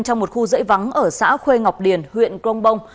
trong một khu rễ vắng ở xã khuê ngọc điền huyện công bông